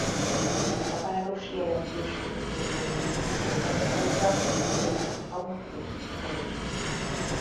A város jelentős kikötőjéből indul exportra az egyiptomi pamut és rizs.